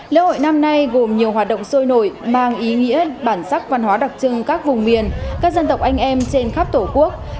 lễ hội năm nay gồm nhiều hoạt động sôi nổi mang ý nghĩa bản sắc văn hóa đặc trưng các vùng miền các dân tộc anh em trên khắp tổ quốc